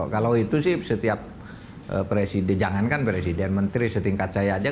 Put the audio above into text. kalau itu sih setiap presiden jangankan presiden menteri setingkat saya aja